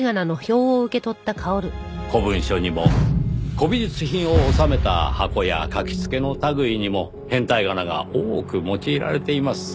古文書にも古美術品を納めた箱や書き付けの類いにも変体仮名が多く用いられています。